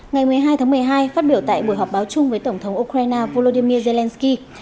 ngày một mươi hai tháng một mươi hai phát biểu tại buổi họp báo chung với tổng thống ukraine volodymyr zelensky